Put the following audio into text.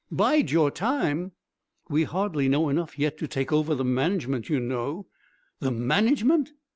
"Bide your time?" "We hardly know enough yet to take over the management, you know." "The management?"